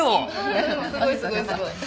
すごいすごいすごい。